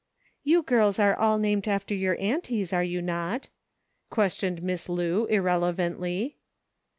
211 "You girls are all named for your aunties, are you not ?" questioned Miss Lu, irrelevantly.